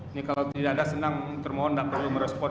ini kalau tidak ada senang termohon tidak perlu merespon